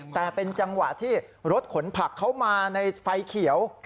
แต่เป็นจังหวะที่รถขนผักเขามาในไฟเขียว